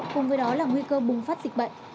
cùng với đó là nguy cơ bùng phát dịch bệnh